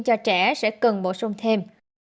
cho trẻ sẽ cần bổ sung thêm